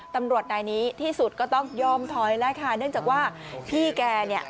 ตำรวจนายนี้ที่สุดก็ต้องยอมถอยแล้วค่ะเนื่องจากว่าพี่แกเนี่ย